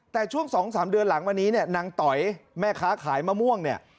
แต่ช่วง๒๓เดือนหลังมานี้เนี่ยนางต๋อยแม่ค้าขายมะม่วงเนี่ย